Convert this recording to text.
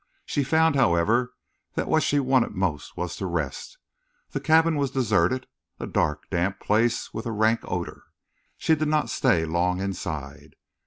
She found, however, that what she wanted most was to rest. The cabin was deserted, a dark, damp place with a rank odor. She did not stay long inside.